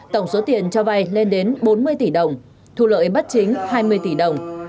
tổng số tiền cho vai lên đến bốn mươi tỷ đồng thu lợi bắt chính hai mươi tỷ đồng